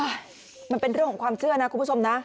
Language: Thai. มันเป็นเรื่องของความเชื่อนะคุณผู้ชมนะ